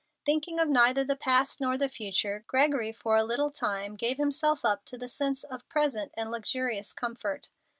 Thinking of neither the past nor the future, Gregory for a little time gave himself up to the sense of present and luxurious comfort.